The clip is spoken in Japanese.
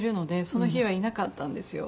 その日はいなかったんですよ。